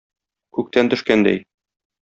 Күктән төшкәндәй